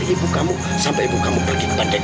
bukti boh kamu sampe kamu pergi correct